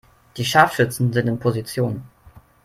Die Scharfschützen sind in Position.